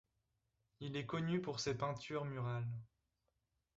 Il est connu pour ses peintures murales.